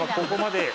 ここまで。